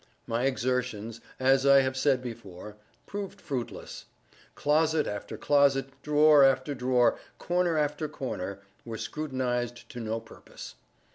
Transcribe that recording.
My exertions, as I have before said, proved fruitless. Closet after closet—drawer after drawer—corner after corner—were scrutinized to no purpose.